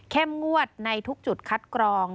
งวดในทุกจุดคัดกรอง